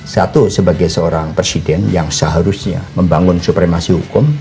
satu sebagai seorang presiden yang seharusnya membangun supremasi hukum